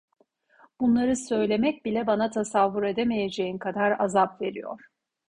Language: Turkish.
Bunları söylemek bile bana tasavvur edemeyeceğin kadar azap veriyor.